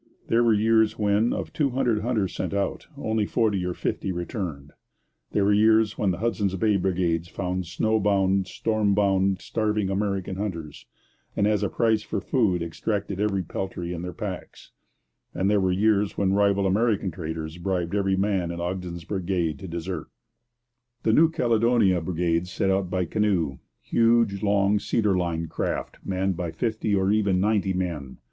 There were years when, of two hundred hunters setting out, only forty or fifty returned; there were years when the Hudson's Bay brigades found snow bound, storm bound, starving American hunters, and as a price for food exacted every peltry in the packs; and there were years when rival American traders bribed every man in Ogden's brigade to desert. The New Caledonia brigades set out by canoe huge, long, cedar lined craft manned by fifty or even ninety men.